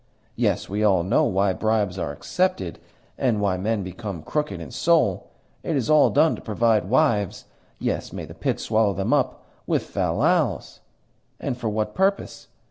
Yes, we all know why bribes are accepted, and why men become crooked in soul. It is all done to provide wives yes, may the pit swallow them up! with fal lals. And for what purpose?